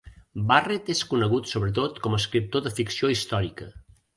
Barrett és conegut sobretot com a escriptor de ficció històrica.